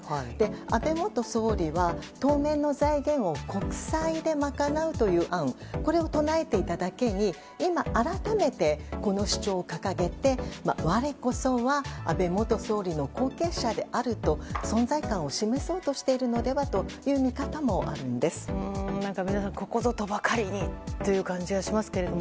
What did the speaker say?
安倍元総理は当面の財源を国債で賄うという案これを唱えていただけに今、改めてこの主張を掲げて我こそは安倍元総理の後継者であると存在感を示そうとしているのではというここぞとばかりにという感じがしますけれども。